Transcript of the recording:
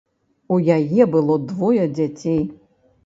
У яе было двое дзяцей.